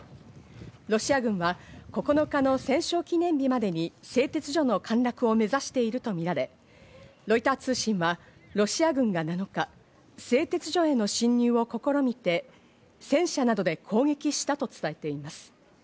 ロシア軍は９日の戦勝記念日までに製鉄所の陥落を目指しているとみられ、ロイター通信はロシア軍が７日、製鉄所への侵入を試みて、戦車などで攻撃したと伝えています。